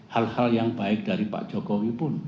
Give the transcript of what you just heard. hal hal yang baik dari pak jokowi pun